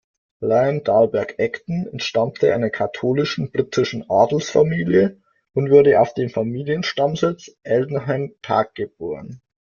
Lyon-Dalberg-Acton entstammte einer katholischen britischen Adelsfamilie und wurde auf dem Familienstammsitz Aldenham Park geboren.